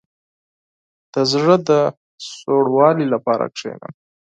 • د زړه د سوړوالي لپاره کښېنه.